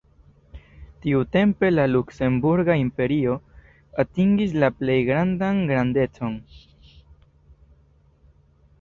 Tiutempe la luksemburga imperio atingis la plej grandan grandecon.